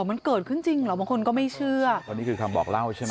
มันเกิดขึ้นจริงเหรอบางคนก็ไม่เชื่อเพราะนี่คือคำบอกเล่าใช่ไหม